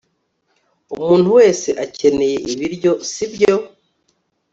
umuntu wese akeneye ibiryo, sibyo